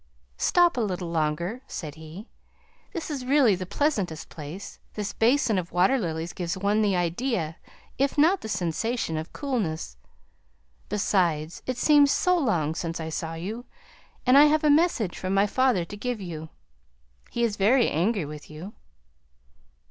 "Stop a little longer," said he. "This is really the pleasantest place; this basin of water lilies gives one the idea, if not the sensation, of coolness; besides it seems so long since I saw you, and I have a message from my father to give you. He is very angry with you."